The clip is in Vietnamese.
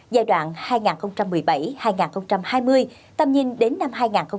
trở thành đô thị thông minh giai đoạn hai nghìn một mươi bảy hai nghìn hai mươi tầm nhìn đến năm hai nghìn hai mươi năm